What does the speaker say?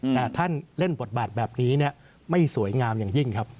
แต่ท่านเล่นบทบาทแบบนี้ไม่สวยงามอย่างยิ่งครับ